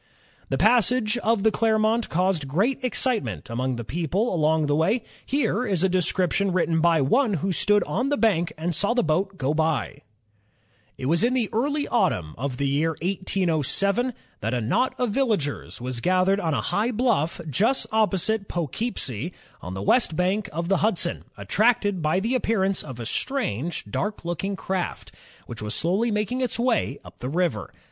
The passage of the Clermont caused great excitement among the people along the way. Here is a description written by one who stood on the bank and saw the boat goby: "It was in the early autumn of the year 1807, that a ROBERT FULTON LERUONT STEAM DP THE HUDSON RIVER 46 INVENTIONS OF STEAM AND ELECTRIC POWER knot of villagers was gathered on a high blujff just oppo site Poughkeepsie, on the west bank of the Hudson, at tracted by the appearance of a strange, dark looking craft , which was slowly making its way up the river.